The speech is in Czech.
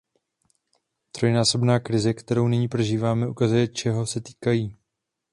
Trojnásobná krize, kterou nyní prožíváme, ukazuje, čeho se týkají.